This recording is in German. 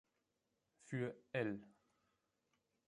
Für "L.